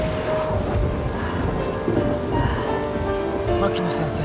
槙野先生。